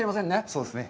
そうですね。